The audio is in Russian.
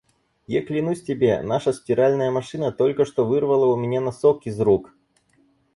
Я клянусь тебе, наша стиральная машина только что вырвала у меня носок из рук!